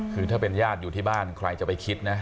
คือถ้าเป็นญาติอยู่ที่บ้านใครจะไปคิดนะ